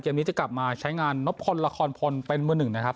นี้จะกลับมาใช้งานนบพลละครพลเป็นมือหนึ่งนะครับ